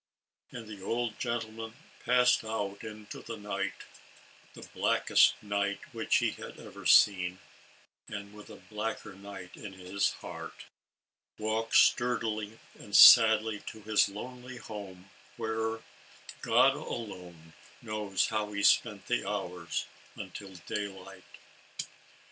And the old gentleman passed out into the night, — the blackest night, which he had ever seen, and, with a blacker night in his heart, walked sturdily and sadly to his lonely home, where, God alone knows how he spent the hours until daylight.